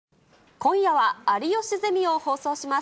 今夜は有吉ゼミを放送します。